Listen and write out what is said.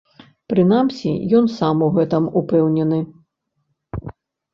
Прынамсі, ён сам у гэтым упэўнены.